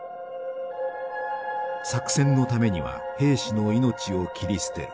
「作戦のためには兵士の命を切り捨てる」。